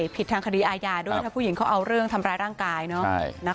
ผิดทางคดีอาญาด้วยถ้าผู้หญิงเขาเอาเรื่องทำร้ายร่างกาย